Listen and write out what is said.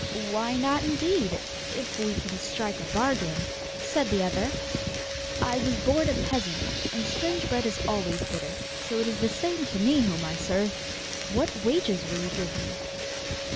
'Why not, indeed, if we can strike a bargain?' said the other. 'I was born a peasant, and strange bread is always bitter, so it is the same to me whom I serve! What wages will you give me?